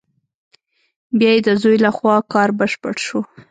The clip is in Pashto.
بیا یې د زوی له خوا کار بشپړ شو.